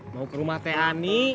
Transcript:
mau ke rumah teh ani